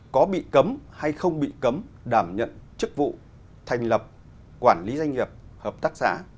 có bị cấm hay không bị cấm đảm nhận chức vụ thành lập quản lý doanh nghiệp hợp tác xã